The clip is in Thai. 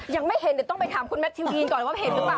ยังไม่เห็นเดี๋ยวต้องไปถามคุณแมททิวยีนก่อนว่าเห็นหรือเปล่า